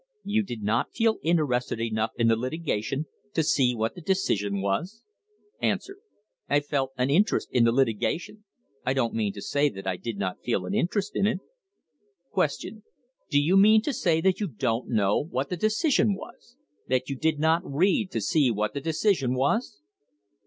You did not feel interested enough in the litigation to see what the decision was ? A. I felt an interest in the litigation; I don't mean to say that I did not feel an interest in it. Q. Do you mean to say that you don't know what the decision was ? that you did not read to see what the decision was